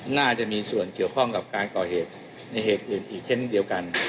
น่าจะมีส่วนเกี่ยวข้องกับการก่อเหตุในเหตุอื่นอีกเช่นเดียวกัน